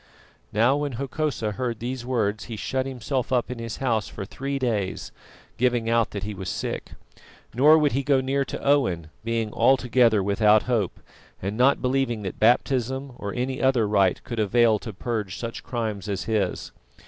Now, when Hokosa heard these words he shut himself up in his house for three days, giving out that he was sick. Nor would he go near to Owen, being altogether without hope, and not believing that baptism or any other rite could avail to purge such crimes as his.